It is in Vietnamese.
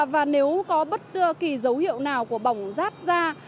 và nếu có bất kỳ dấu hiệu nào của bỏng rát da